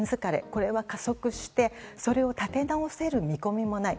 これは加速してそれを立て直せる見込みもない。